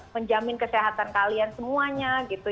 menjamin kesehatan kalian semuanya gitu